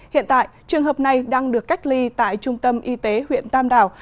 hiện tại trường hợp này đang được cách ly tại trung tâm y tế huyện tam đảo